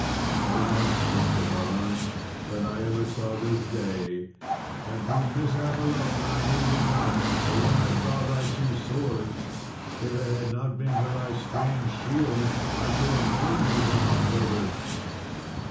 "Alas!" said Sir Balan, "that I ever saw this day; and through mishap alone I knew thee not, for when I saw thy two swords, if it had not been for thy strange shield, I should have known thee for my brother."